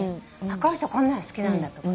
この人こんなん好きなんだとか。